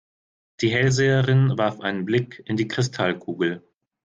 Die Hellseherin warf einen Blick in die Kristallkugel.